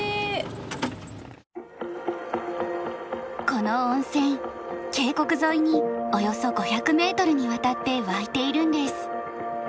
この温泉渓谷沿いにおよそ５００メートルにわたって湧いているんです。